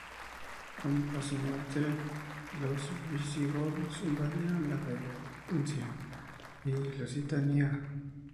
A su muerte, los visigodos invadieron la Gallaecia y la Lusitania.